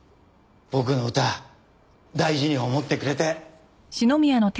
僕の歌大事に思ってくれて。